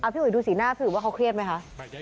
พี่อุ๋ยดูสีหน้าพี่อุ๋ว่าเขาเครียดไหมคะ